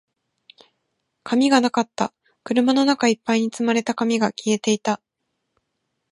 紙がなかった。車の中一杯に積まれた紙が消えていた。